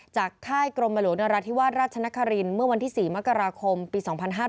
ค่ายกรมหลวงนราธิวาสราชนครินเมื่อวันที่๔มกราคมปี๒๕๕๙